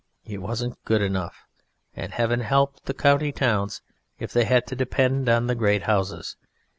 It wasn't good enough ... and heaven help the country towns now if they had to depend on the great houses!